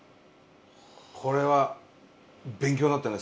これは勉強になったね。